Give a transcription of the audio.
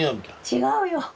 違うよ。